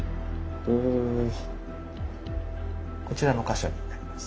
こちらの箇所になります。